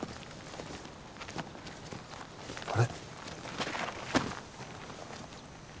あれ？